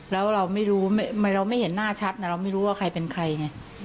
แล้วเราไม่รู้เราไม่เห็นหน้าชัดนะเราไม่รู้ว่าใครเป็นใครไง